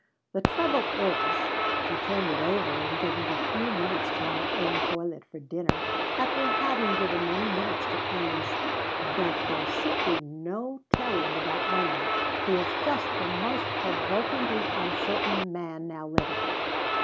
"The trouble is," she turned it over in giving a few minutes to her own toilet for dinner, after having given many minutes to Ann's, "that there's simply no telling about Wayne. He is just the most provokingly uncertain man now living."